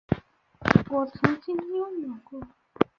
我曾经拥有过